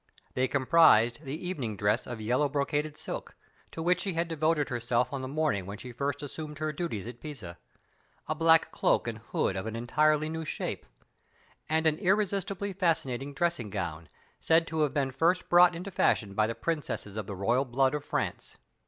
They comprised the evening dress of yellow brocaded silk, to which she had devoted herself on the morning when she first assumed her duties at Pisa; a black cloak and hood of an entirely new shape; and an irresistibly fascinating dressing gown, said to have been first brought into fashion by the princesses of the blood royal of France.